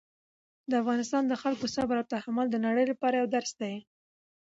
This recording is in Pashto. د افغانستان د خلکو صبر او تحمل د نړۍ لپاره یو درس دی.